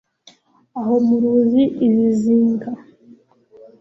aho muruzi iri zinga